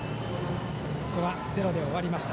ここはゼロで終わりました。